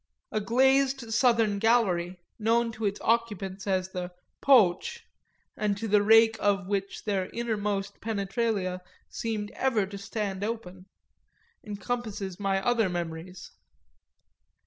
A glazed southern gallery, known to its occupants as the "poo'ch" and to the rake of which their innermost penetralia seemed ever to stand open, encompasses my other memories.